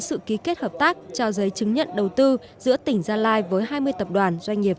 sự ký kết hợp tác trao giấy chứng nhận đầu tư giữa tỉnh gia lai với hai mươi tập đoàn doanh nghiệp